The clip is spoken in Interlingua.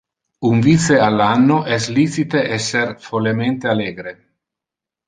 Un vice al anno es licite esser follemente allegre.